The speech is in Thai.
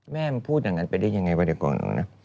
แม่มันพูดอย่างนั้นไปได้ยังไงวะเดี๋ยวก่อนนะ